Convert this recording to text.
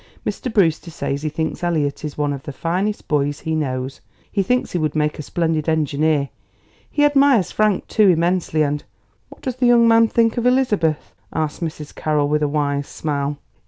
Mr. Brewster says he thinks Elliot is one of the finest boys he knows. He thinks he would make a splendid engineer. He admires Frank, too, immensely, and " "What does the young man think of Elizabeth?" asked Mrs. Carroll with a wise smile.